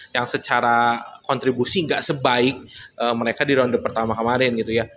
yang secara kontribusi nggak sebaik mereka di ronde pertama kemarin gitu ya